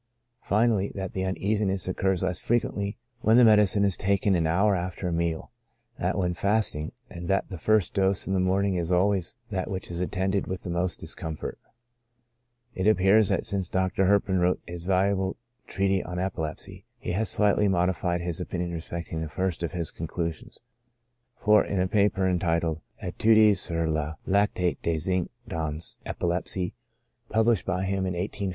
Finally, that the uneasiness occurs less frequently when the medicine is taken an hour after a meal, than when fast ing, and that the first dose in the morning is always that which is attended with the most discomfort. It appears that since Dr. Herpin wrote his valuable treat ise on epilepsy, he has slightly modified his opinion respect ing the first of his conclusions, for in a paper entitled " Etudes sur le Lactate de Zinc dans I'Epilepsie," published *" Du Prognostic et du Traicement Curatif de I'Epilepsie," 1852, p. 565. TREATMENT.